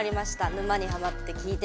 「沼にハマってきいてみた」。